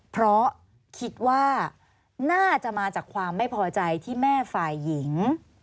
เพราะคิดว่าน่าจะมาจากความไม่พอใจที่แม่ฝ่ายหญิง